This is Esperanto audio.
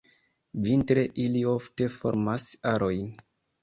Vintre ili ofte formas arojn.